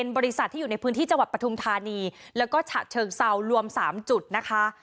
บริษัทที่อยู่ในพื้นที่จังหวัดปฐุมธานีแล้วก็ฉะเชิงเซารวม๓จุดนะคะ